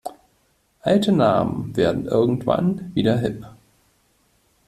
Alte Namen werden irgendwann wieder hip.